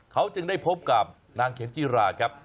เขาจึงได้พบกับนางเข็มจิราครับ